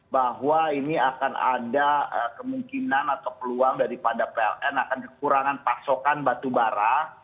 bahwa ini akan ada kemungkinan atau peluang daripada pln akan kekurangan pasokan batubara